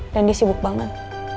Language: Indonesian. dan dia sibuk banget